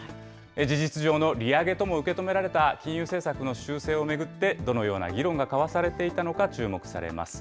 事実上の利上げとも受け止められた金融政策の修正を巡って、どのような議論が交わされていたのか注目されます。